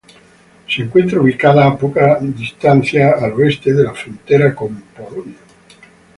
Se encuentra ubicada a poca distancia al oeste de la frontera con Polonia.